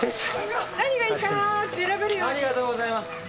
ありがとうございます。